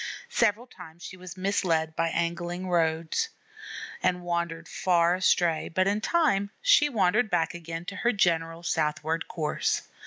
Several times she was misled by angling roads, and wandered far astray, but in time she wandered back again to her general southward course.